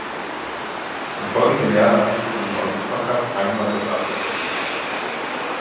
Im folgenden Jahr erreichte sie im Europacup einmal das Achtelfinale.